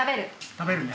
食べるよ。